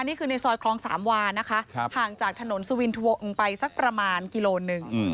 นี่คือในซอยคลองสามวานะคะห่างจากถนนสุวินทะวงไปสักประมาณกิโลหนึ่ง